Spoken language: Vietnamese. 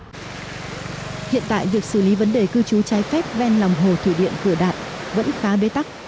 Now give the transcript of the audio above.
hiện tại việc xử lý vấn đề cư trú trái phép ven lòng hồ thủy điện cửa đạt vẫn khá bế tắc